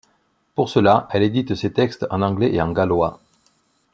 Pour cela, elle édite ses textes en anglais et en gallois.